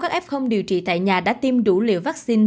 các f điều trị tại nhà đã tiêm đủ liều vaccine